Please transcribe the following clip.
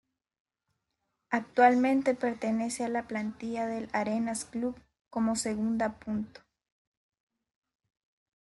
Actualmente pertenece a la plantilla del Arenas Club como segundo punta.